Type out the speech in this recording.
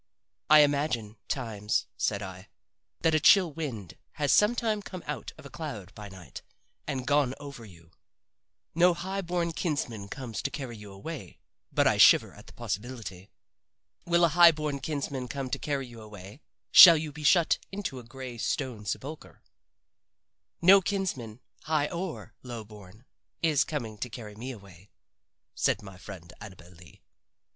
I imagine, times," said I, "that a chill wind has sometime come out of a cloud by night and gone over you. No high born kinsman comes to carry you away but I shiver at the possibility. Will a high born kinsman come to carry you away shall you be shut into a gray stone sepulcher?" "No kinsman, high or low born, is coming to carry me away," said my friend Annabel Lee.